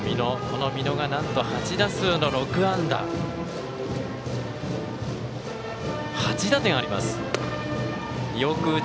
この美濃がなんと８打数の６安打。